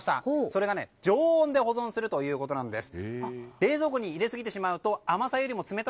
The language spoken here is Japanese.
それが常温で保存するということです。